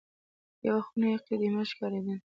یوه خونه یې قدیمه ښکارېدله.